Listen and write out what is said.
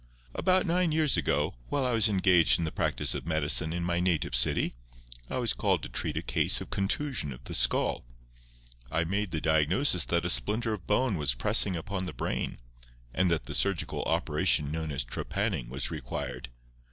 "About nine years ago, while I was engaged in the practice of medicine in my native city, I was called to treat a case of contusion of the skull. I made the diagnosis that a splinter of bone was pressing upon the brain, and that the surgical operation known as trepanning was required.